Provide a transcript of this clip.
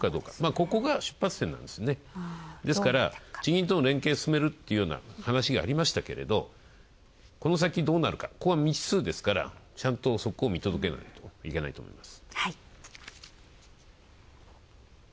ここが出発点、ですから、自民党との連携を進めると話がありましたけれど、この先、どうなるか、ここは未知数ですから、そこを見届けないといけないと思います。